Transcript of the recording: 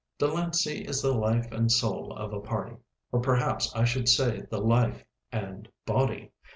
Delancey is the life and soul of a party or perhaps I should say the life and body.